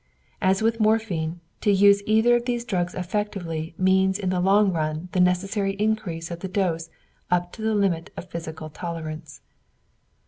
As with morphine, to use either of these drugs effectively means in the long run the necessary increase of the dose up to the limit of physical tolerance.